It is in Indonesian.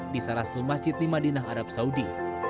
di salaslu masjid di madinah arab saudi